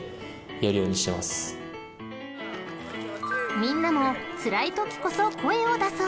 ［みんなもつらいときこそ声を出そう］